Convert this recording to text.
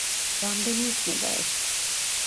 რამდენი იქნება ეს?